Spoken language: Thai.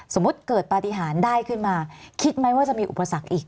สมมุติเกิดปฏิหารได้ขึ้นมาคิดไหมว่าจะมีอุปสรรคอีก